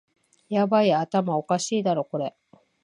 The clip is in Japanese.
ヤバい、頭おかしいだろこれ